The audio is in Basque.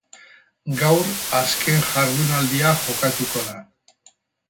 Gaur azken jardunaldia jokatuko da.